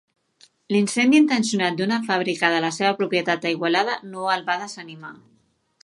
L'incendi intencionat d'una fàbrica de la seva propietat a Igualada no el va desanimar.